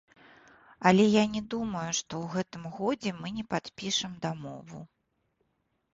Але я не думаю, што ў гэтым годзе мы не падпішам дамову.